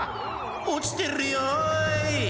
「おちてるよい！」